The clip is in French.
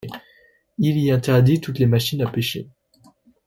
Il y interdit toutes les machines à pêcher.